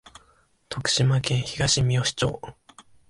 徳島県東みよし町